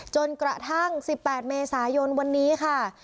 จนกระทั่ง๑๘เมษายนวันนี้ค่ะ